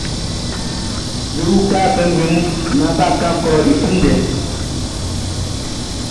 Be uka kpɛnngbɛn mun naan bʼa kan klɔʼn i su ndɛ.